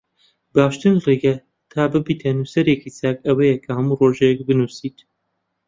باشترین ڕێگە تا ببیتە نووسەرێکی چاک ئەوەیە کە هەموو ڕۆژێک بنووسیت